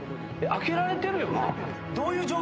開けられてるよな？